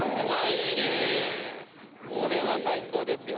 これは最高ですよ。